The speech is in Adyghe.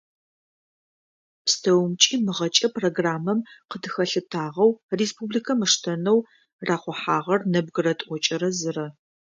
Пстэумкӏи мыгъэкӏэ программэм къыдыхэлъытагъэу республикэм ыштэнэу рахъухьагъэр нэбгырэ тӏокӏырэ зырэ.